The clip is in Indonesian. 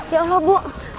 ya allah bu